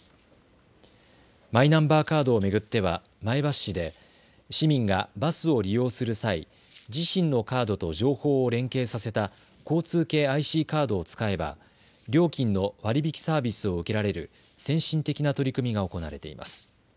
マイナンバーカードを巡っては前橋市で市民がバスを利用する際自身のカードと情報を連携させた交通系ＩＣカードを使えば料金の割り引きサービスを受けられる先進的な取り組みが行われています。